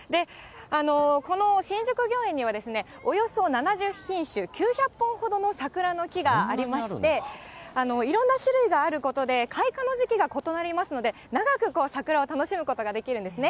この新宿御苑には、およそ７０品種、９００本ほどの桜の木がありまして、いろんな種類があることで、開花の時期が異なりますので、長く桜を楽しむことができるんですね。